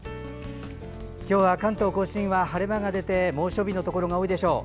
今日は関東・甲信は晴れ間が出て猛暑日のところが多いでしょう。